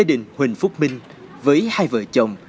gia đình huỳnh phúc minh với hai vợ chồng